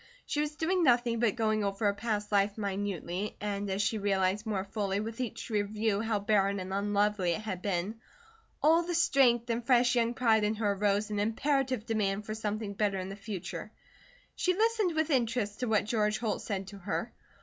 She was doing nothing but going over her past life minutely, and as she realized more fully with each review how barren and unlovely it had been, all the strength and fresh young pride in her arose in imperative demand for something better in the future. She listened with interest to what George Holt said to her.